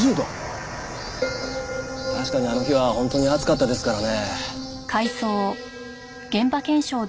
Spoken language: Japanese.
確かにあの日は本当に暑かったですからね。